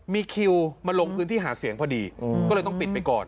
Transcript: มีคิวมาลงพื้นที่หาเสียงพอดีก็เลยต้องปิดไปก่อน